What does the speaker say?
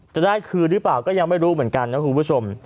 จะได้คืนหรือเปล่าก็ยังไม่รู้เหมือนกันนะคุณผู้ชม